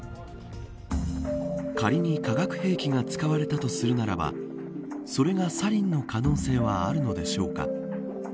仮に、化学兵器が使われたとするならばそれがサリンの可能性はあるのでしょうか。